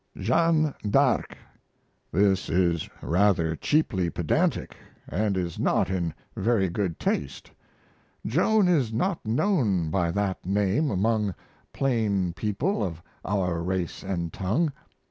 "Jeanne d'Arc." This is rather cheaply pedantic, & is not in very good taste. Joan is not known by that name among plain people of our race & tongue.